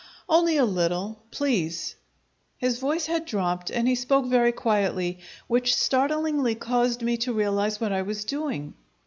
"Only a little please!" His voice had dropped, and he spoke very quietly, which startlingly caused me to realize what I was doing.